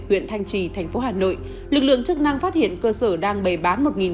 huyện thanh trì thành phố hà nội lực lượng chức năng phát hiện cơ sở đang bày bán